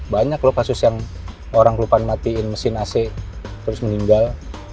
banyak loh kasus yang orang lupain matiin mesin ac terus meninggal